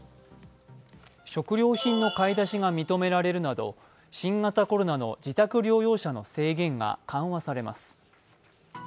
食料品の買い出しが認められるなど新型コロナの自宅療養者の制限が緩和されます。